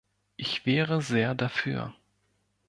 Ich wäre sehr dafür.